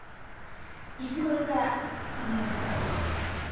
いつごろからそのような？